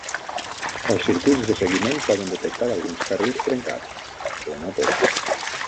Els circuits de seguiment poden detectar alguns carrils trencats, però no tots.